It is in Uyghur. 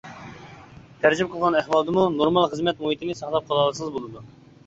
تەرجىمە قىلغان ئەھۋالدىمۇ نورمال خىزمەت مۇھىتىنى ساقلاپ قالالىسىڭىز بولىدۇ.